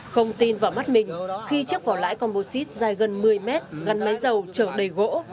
không tin vào mắt mình khi chiếc vỏ lãi composite dài gần một mươi mét gắn máy dầu chở đầy gỗ